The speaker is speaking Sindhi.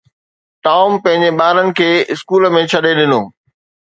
ٽام پنهنجي ٻارن کي اسڪول ۾ ڇڏي ڏنو.